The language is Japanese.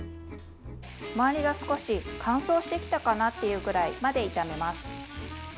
周りが少し乾燥してきたかなというくらいまで炒めます。